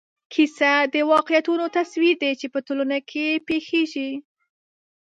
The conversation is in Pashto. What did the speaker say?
کیسه د واقعیتونو تصویر دی چې په ټولنه کې پېښېږي.